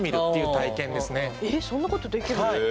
そんなことできるんですか？